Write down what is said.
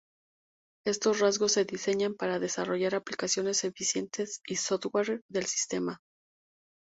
Estos rasgos se diseñan para desarrollar aplicaciones eficientes y software del sistema.